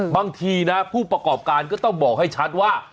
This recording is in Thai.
บางทีนะผู้ประกอบการก็ต้องบอกให้ชัดว่า